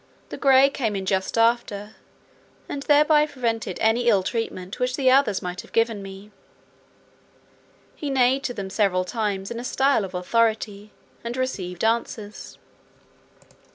The gray came in just after, and thereby prevented any ill treatment which the others might have given me. He neighed to them several times in a style of authority, and received answers.